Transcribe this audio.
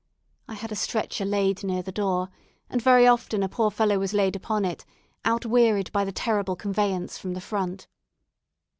I had a stretcher laid near the door, and very often a poor fellow was laid upon it, outwearied by the terrible conveyance from the front.